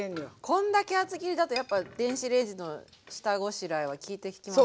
こんだけ厚切りだとやっぱ電子レンジの下ごしらえはきいてきますね。